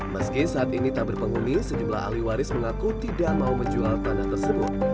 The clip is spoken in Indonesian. meski saat ini tak berpenghuni sejumlah ahli waris mengaku tidak mau menjual tanah tersebut